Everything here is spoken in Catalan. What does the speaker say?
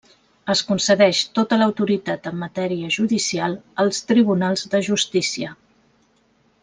Es concedeix tota l'autoritat en matèria judicial als tribunals de justícia.